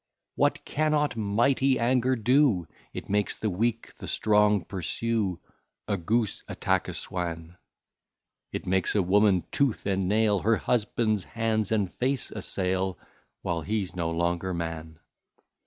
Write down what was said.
What cannot mighty anger do? It makes the weak the strong pursue, A goose attack a swan; It makes a woman, tooth and nail, Her husband's hands and face assail, While he's no longer man.